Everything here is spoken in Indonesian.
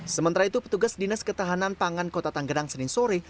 sementara itu petugas dinas ketahanan pangan kota tanggerang senin sore